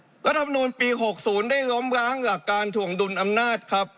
รัฐภาษาอาหารปี๖๐ได้ล้อมร้างหลักการถวงดุลอำนาจครับ